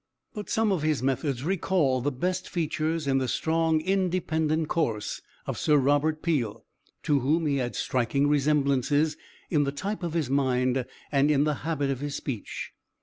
But some of his methods recall the best features in the strong, independent course of Sir Robert Peel, to whom he had striking resemblances in the type of his mind and in the habit of his speech.